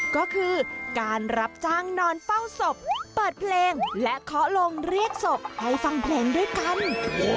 ก็คือการรับจ้างนอนเฝ้าศพเปิดเพลงและเคาะลงเรียกศพให้ฟังเพลงด้วยกัน